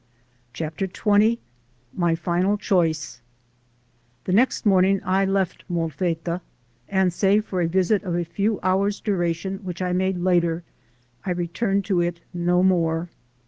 CHAPTER XX MY FINAL CHOICE THE next morning I left Molfetta, and save for a visit of a few hours' duration which I made later, I returned to it no more.